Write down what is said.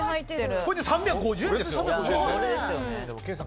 これで３５０円ですよ。